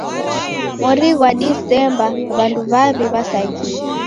Mori ghwa Disemba, w'andu w'aw'i w'asaghie.